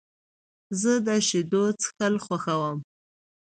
زه د شیدو څښل خوښوم.